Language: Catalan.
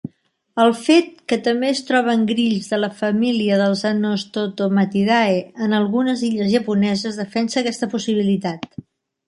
El fet que també es troben grills de la família dels Anostostomatidae en algunes illes japoneses defensa aquesta possibilitat.